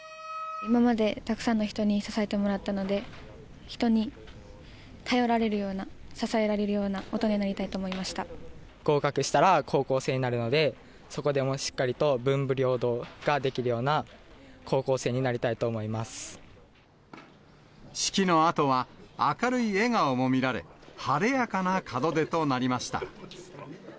今までたくさんの人に支えてもらったので、人に頼られるような、支えられるような、大人になりたいと思いま合格したら高校生になるので、そこでもしっかりと文武両道ができるような高校生になりたいと思式のあとは、明るい笑顔も見られ、晴れやかな門出となりました。